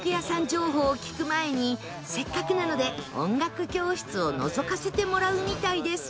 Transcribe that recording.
情報を聞く前にせっかくなので音楽教室をのぞかせてもらうみたいです